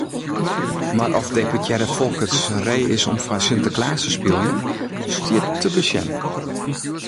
Mar oft deputearre Folkerts ree is om foar Sinteklaas te spyljen, stiet te besjen.